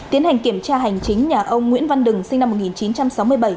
tiến hành kiểm tra hành chính nhà ông nguyễn văn đừng sinh năm một nghìn chín trăm sáu mươi bảy